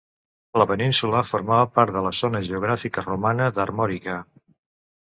La península formava part de la zona geogràfica romana d'Armòrica.